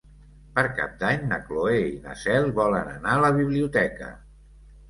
Per Cap d'Any na Cloè i na Cel volen anar a la biblioteca.